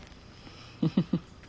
フフフ。